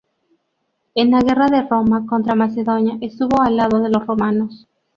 En la guerra de Roma contra Macedonia estuvo al lado de los romanos.